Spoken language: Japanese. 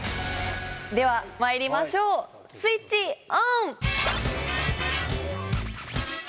ではまいりましょうスイッチオン！